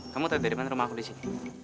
kamu tadi dari mana rumah aku disini